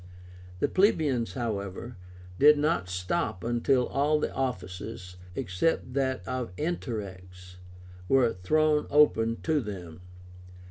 The plebeians, however, did not stop until all the offices, except that of Interrex, were thrown open to them.